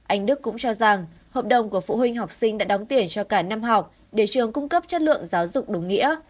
anh đức cũng cho rằng hợp đồng của phụ huynh học sinh đã đóng tiền cho cả năm học để trường cung cấp chất lượng giáo dục đúng nghĩa